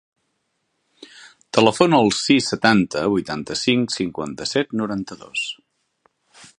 Telefona al sis, setanta, vuitanta-cinc, cinquanta-set, noranta-dos.